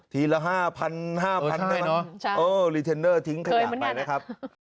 ทีละ๕๐๐๐บาททิ้งขยะไปนะครับ